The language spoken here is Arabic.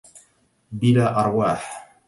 بلا أرواح